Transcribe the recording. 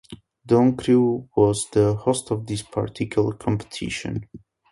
Don Criqui was the host of this particular competition.